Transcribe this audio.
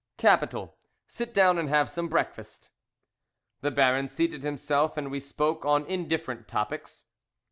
"Capital, sit down and have some breakfast." The Baron seated himself, and we spoke on indifferent topics.